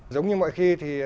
giống như mọi khi